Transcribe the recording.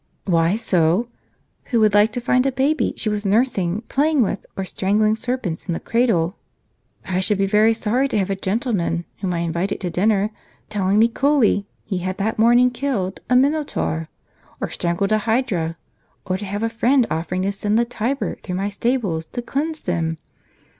o "Why so? who would hke to find a baby she was nursing, playing with, or strangling, serpents in the cradle ? I should be very sorry to have a gentleman, whom I invited to dinner, telling me coolly he had that morning killed a minotaur, or strangled a hydra; or to have a friend offering to send the Tiber through my stables, to cleanse them.